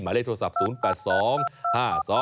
หมายเลขโทรศัพท์๐๘๒๕๒๖๖๖๕๑